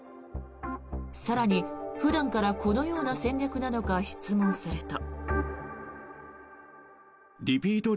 更に、普段からこのような戦略なのか質問すると。